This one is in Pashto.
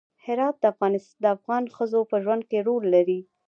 هرات د افغان ښځو په ژوند کې رول لري.